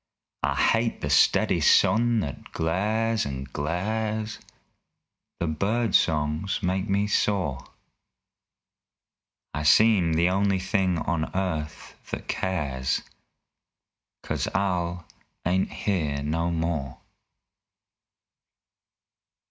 I hate the steady sun that glares, and glares! The bird songs make me sore. I seem the only thing on earth that cares 'Cause Al ain't here no more!